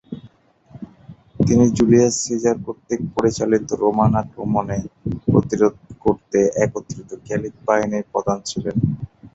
তিনি Julius Caesar কর্তৃক পরিচালিত রোমান আক্রমণে প্রতিরোধ গড়তে একত্রীত গ্যালিক বাহিনীর প্রধান ছিলেন।